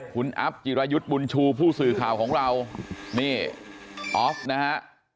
คุณอัพจิรายุทธ์บุญชูผู้สื่อข่าวของเรานี่ออฟนะฮะ